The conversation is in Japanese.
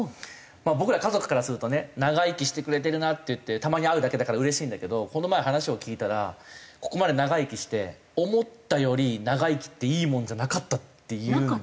僕ら家族からするとね長生きしてくれてるなっていってたまに会うだけだからうれしいんだけどこの前話を聞いたら「ここまで長生きして思ったより長生きっていいもんじゃなかった」って言うんですよ。